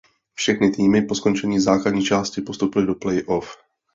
Všechny týmy po skončení základní části postoupily do playoff.